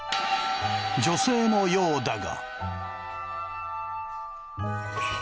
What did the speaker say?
女性のようだが。